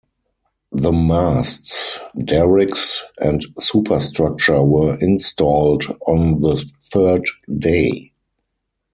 The masts, derricks and superstructure were installed on the third day.